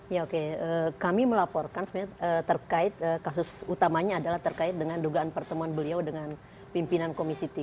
ya oke kami melaporkan sebenarnya terkait kasus utamanya adalah terkait dengan dugaan pertemuan beliau dengan pimpinan komisi tiga